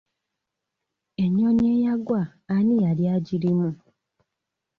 Ennyonyi eyagwa ani yali agirimu?